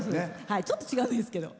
ちょっと違うんですけど。